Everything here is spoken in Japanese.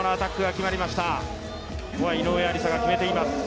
ここは井上愛里沙が決めています。